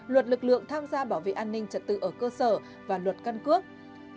luật lực lượng tham gia bảo vệ an ninh trật tự ở cơ sở và luật căn cước